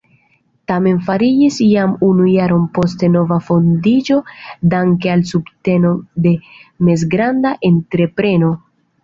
Tamen fariĝis jam unu jaron poste nova fondiĝo danke al subteno de mezgranda entrepreno.